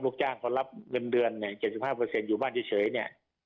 ลูกจ้างเขารับเงินเดือนเนี้ยเจ็บสิบห้าเปอร์เซ็นต์อยู่บ้านเฉยเฉยเนี้ย